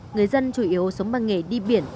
người dân chủ yếu sống bằng nghề đi biển